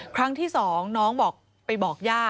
ครั้งที่๒น้องบอกไปบอกย่า